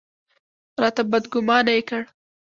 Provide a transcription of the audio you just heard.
راته بدګومانه یې کړ.